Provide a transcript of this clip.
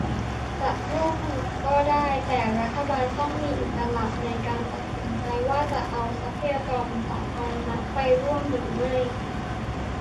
จะร่วมมือกันก็ได้ แต่รัฐบาลต้องมีอิสระในการตัดสินใจว่าจะเอาทรัพยากรสาธารณะไปร่วมหรือไม่